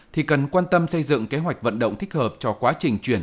thì cần quan tâm xây dựng kế hoạch vận động thích hợp cho quá trình chuyển